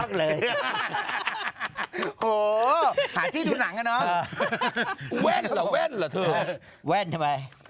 เขายังใส่กันเหรอทุกวันนี้